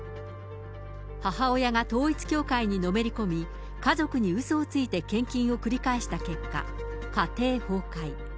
母親が統一教会にのめり込み、家族にうそをついて献金を繰り返した結果、家庭崩壊。